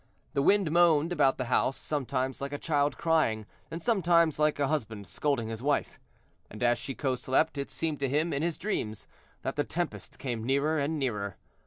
The wind moaned about the house, sometimes like a child crying, and sometimes like a husband scolding his wife; and as Chicot slept, it seemed to him, in his dreams, that the tempest came nearer and nearer.